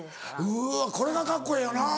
うわこれがカッコええよな。